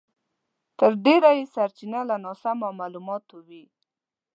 تر ډېره یې سرچينه له ناسمو مالوماتو وي.